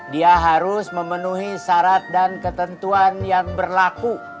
dia harus memenuhi syarat dan ketentuan yang berlaku